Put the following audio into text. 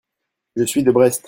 Je suis de Brest.